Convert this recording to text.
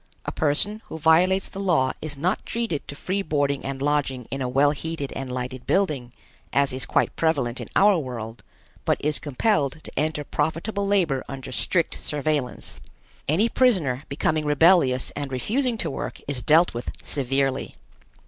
A person who violates the law is not treated to free boarding and lodging in a well heated and lighted building, as is quite prevalent in our world, but is compelled to enter profitable labor under strict surveillance. Any prisoner becoming rebellious and refusing to work is dealt with severely.